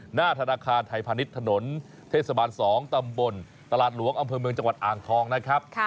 หน้าธนาคารไทยพาณิชย์ถนนเทศบาล๒ตำบลตลาดหลวงอำเภอเมืองจังหวัดอ่างทองนะครับ